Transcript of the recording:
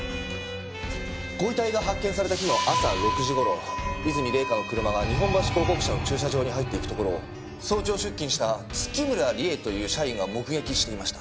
ご遺体が発見された日の朝６時頃和泉礼香の車が日本橋広告社の駐車場に入っていくところを早朝出勤した月村理絵という社員が目撃していました。